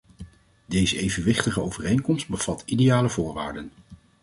Deze evenwichtige overeenkomst bevat ideale voorwaarden.